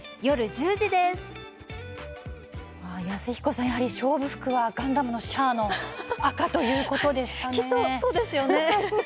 安彦さん、勝負服は「ガンダム」のシャアの赤ということでしたね。